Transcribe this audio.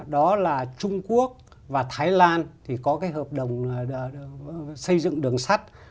đó là trung quốc và thái lan thì có cái hợp đồng xây dựng đường sắt